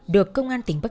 được công an tỉnh bắc